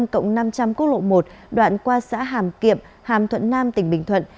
cộng năm trăm linh quốc lộ một đoạn qua xã hàm kiệm hàm thuận nam tỉnh bình thuận